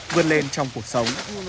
vươn lên trong cuộc sống